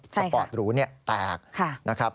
สปอร์ตหรูแตกนะครับ